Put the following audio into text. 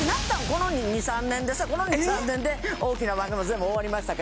この２３年で大きな番組全部終わりましたけど。